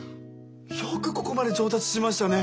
よくここまで上達しましたね！